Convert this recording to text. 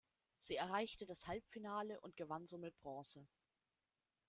Sie erreichte das Halbfinale und gewann somit Bronze.